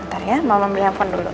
ntar ya mama menelepon dulu nih